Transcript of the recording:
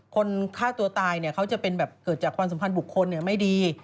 คนฆ่าตัวตายเนี่ยเขาจะเป็นแบบเกิดจากความสัมพันธ์บุคคลไม่ดี